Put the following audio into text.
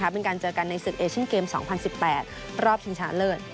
เป็นการเจอกันในศึกเอเชียนเกม๒๐๑๘รอบชิงชนะเลิศ